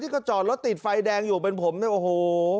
ก็จอดรถติดไฟแดงอยู่เป็นผมเนี่ยโอ้โห